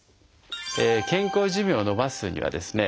健康寿命を延ばすにはですね